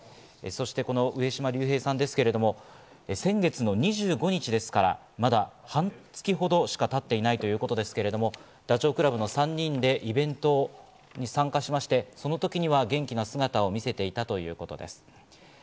そして、この上島竜兵さんですけれども、先月の２５日ですから、まだ半月ほどしか経っていないということですけれども、ダチョウ倶楽部の３人でイベントに参加しまして、その時には元気な姿を見せていたということです。